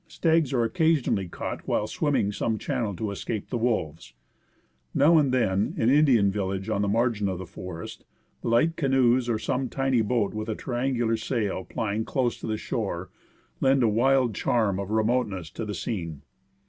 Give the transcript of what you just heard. Stags are occasionally caught while swimming some channel to escape the wolves. Now and then an Indian fishing village on the margin of the forest, the light canoes, or some tiny boat with a triangular sail. IN THE ALEXANDER ARCHIPELAGO. plying close to the shore, lend a wild charm of remoteness to the scene.